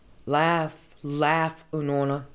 "Laugh, laugh, Unorna!"